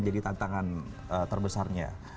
jadi tantangan terbesarnya